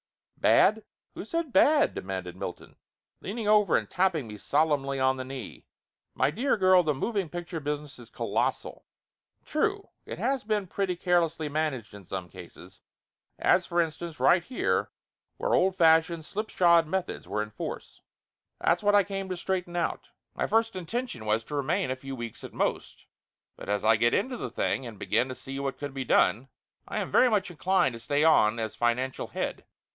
"Bad? Who said bad?" demanded Milton, leaning Laughter Limited 275 over and tapping me solemnly on the knee. "My dear girl, the moving picture business is colossal! True, it has been pretty carelessly managed in some cases, as for instance, right here, where old fashioned, slip shod methods were in force. That's what I came to straighten out. My first intention was to remain a few weeks at most, but as I get into the thing and begin to see what could be done, I am very much inclined to stay on as financial head.